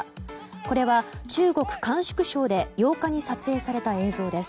これは中国・甘粛省で８日に撮影された映像です。